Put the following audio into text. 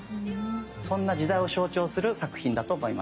そんな時代を象徴する作品だと思います。